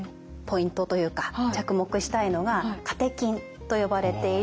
ポイントというか着目したいのがカテキンと呼ばれている栄養素です。